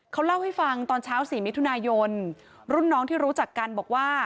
เขาเล่าให้ฟังตอนเช้า๔มิถุนายนรุ่นน้องที่รู้จักกันบอกว่า